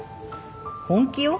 本気よ。